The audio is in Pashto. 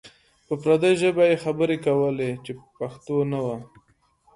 په پردۍ ژبه یې خبرې کولې چې پښتو نه وه.